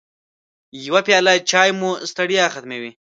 يوه پیاله چای مو ستړیا ختموي.